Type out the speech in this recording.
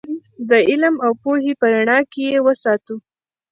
د علم او پوهې په رڼا کې یې وساتو.